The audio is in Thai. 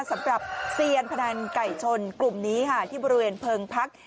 เซียนพนันไก่ชนกลุ่มนี้ค่ะที่บริเวณเพิงพัก